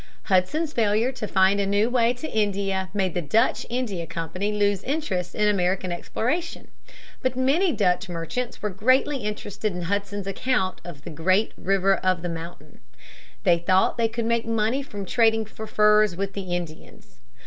Hudson's failure to find a new way to India made the Dutch India Company lose interest in American exploration. But many Dutch merchants were greatly interested in Hudson's account of the "Great River of the Mountain." They thought that they could make money from trading for furs with the Indians.